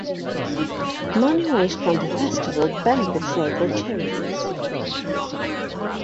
Money raised from the festival benefits local charities.